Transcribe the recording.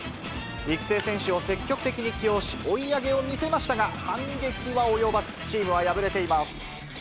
育成選手を積極的に起用し、追い上げを見せましたが、反撃は及ばず、チームは敗れています。